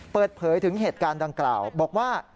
เปิดเผยถึงเหตุการณ์ดังกล่าวบอกว่า